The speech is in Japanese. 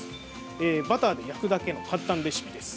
バターで焼くだけの簡単レシピです。